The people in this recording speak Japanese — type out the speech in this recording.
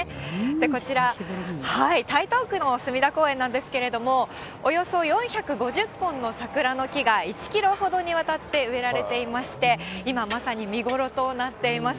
こちら、台東区の隅田公園なんですけれども、およそ４５０本の桜の木が１キロほどにわたって植えられていまして、今まさに見頃となっています。